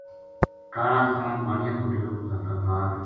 کالا خان بانیا کو ڈیرو مظفرآباد